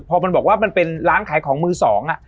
พอมันบอกว่ามันเป็นร้านขายของมือสอง